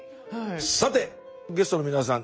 さてゲストの皆さん